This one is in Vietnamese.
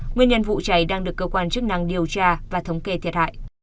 nguyên nhân vụ cháy đang được cơ quan chức năng điều tra và thống kê thiệt hại